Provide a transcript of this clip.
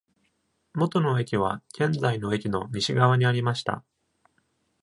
元の駅は現在の駅の西側にありました。